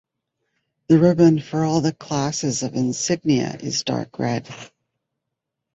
The ribbon for all classes of insignia is dark red.